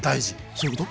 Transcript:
そういうこと？